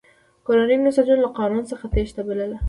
کورنیو نساجانو له قانون څخه تېښته بلله.